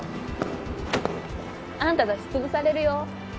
あんたたち潰されるよ。